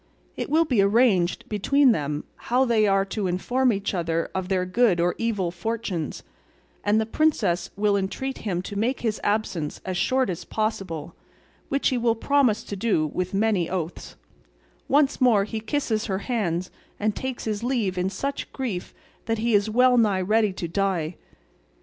It will be arranged between them how they are to inform each other of their good or evil fortunes, and the princess will entreat him to make his absence as short as possible, which he will promise to do with many oaths; once more he kisses her hands, and takes his leave in such grief that he is well nigh ready to die.